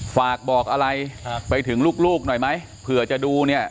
ฝากบอกอะไรไปถึงลูกหน่อยไหมเผื่อจะดูเนี่ย